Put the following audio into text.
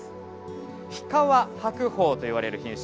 日川白鳳といわれる品種。